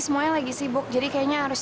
semuanya lagi sibuk jadi kayaknya harus